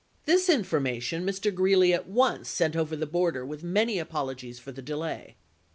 This information Mr. Greeley at once sent over the border with many apologies for the delay.